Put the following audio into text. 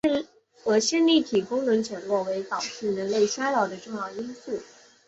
而线粒体功能减弱为导致人类衰老的重要因素。